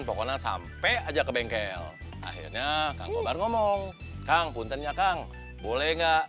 pokoknya sampai aja ke bengkel akhirnya kang kobar ngomong kang puntennya kang boleh nggak